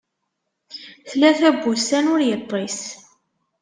Tlata n wussan ur yeṭṭis.